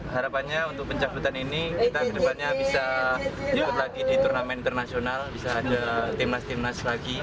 harapannya untuk pencabutan ini kita kedepannya bisa ikut lagi di turnamen internasional bisa ada timnas timnas lagi